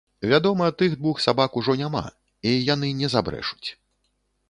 Вядома, тых двух сабак ужо няма і яны не забрэшуць.